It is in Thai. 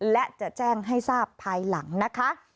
และจะแจ้งให้ทราบภายหลังนะคะ